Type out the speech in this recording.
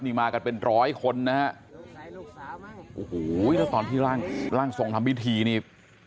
นี่มากันเป็นร้อยคนนะฮะโอ้โหแล้วตอนที่ร่างร่างทรงทำพิธีนี่